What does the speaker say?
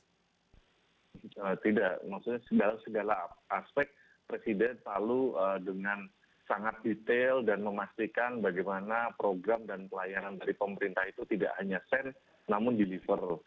tidak maksudnya dalam segala aspek presiden selalu dengan sangat detail dan memastikan bagaimana program dan pelayanan dari pemerintah itu tidak hanya sen namun deliver